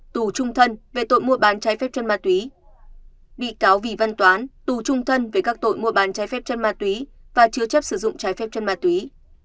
tù trung thân về tội mua bán trái phép chân ma túy bị cáo vì văn toán tù trung thân về các tội mua bán trái phép chân ma túy và chứa chấp sử dụng trái phép chân ma túy